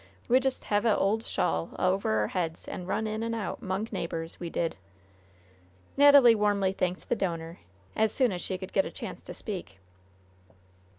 We just hev a' old shawl over our heads and run in and out 'mong neighbors. We did." Natalie warmly thanked the donor, as soon as she could get a chance to speak. Dr.